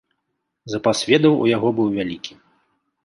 Запас ведаў у яго быў вялікі.